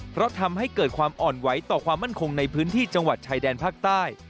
เพราะทำให้เกิดความอ่อนไหวต่อความมั่นคงในพื้นที่จังหวัดชายแดนภาคใต้